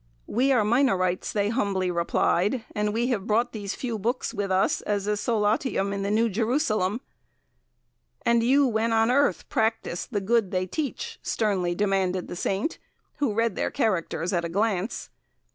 'We are Minorites,' they humbly replied, 'and we have brought these few books with us as a solatium in the new Jerusalem.' 'And you, when on earth, practised the good they teach?' sternly demanded the saint, who read their characters at a glance.